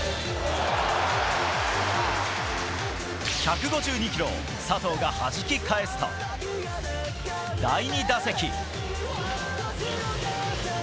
１５２キロを佐藤がはじき返すと第２打席。